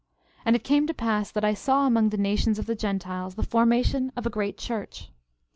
13:4 And it came to pass that I saw among the nations of the Gentiles the formation of a great church.